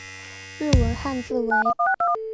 日文汉字为。